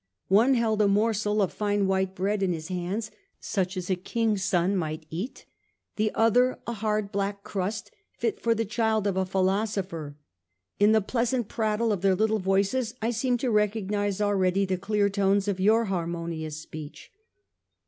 One held a morsel of fine white bread in his hands, such as a king's son might eat, the other a hard black crust, fit for the child of a philosopher. In the pleasant prattle of their little voices I seemed to recognise already the clear tones of your harmonious speech.'